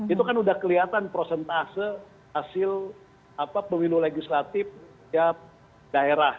itu kan udah kelihatan prosentase hasil pemilu legislatif setiap daerah